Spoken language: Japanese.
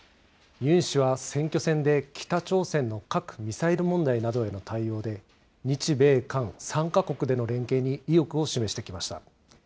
ユン氏は選挙戦で、北朝鮮の核・ミサイル問題などへの対応で、日米韓３か国での連携に意欲を示してきました。